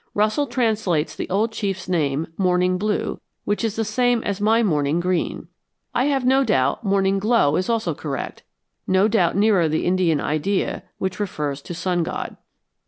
"Russell translates the old chief's name Morning Blue, which is the same as my Morning Green. I have no doubt Morning Glow is also correct, no doubt nearer the Indian idea which refers to sun god.